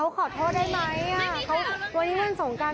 วันนี้วันสงการ